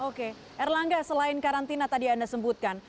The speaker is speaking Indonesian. oke erlangga selain karantina tadi anda sebutkan